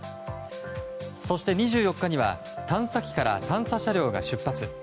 そして２４日には探査機から探査車両が出発。